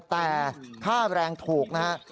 แต่ค่าแรงถูกนะฮะ